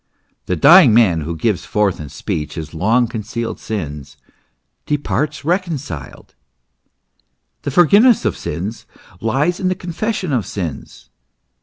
The dying man who gives forth in speech his long concealed sins, departs recon ciled. The forgiveness of sins lies in the confession of sins.